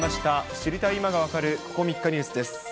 知りたい今がわかるここ３日ニュースです。